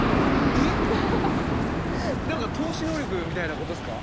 え⁉何か透視能力みたいなことっすか？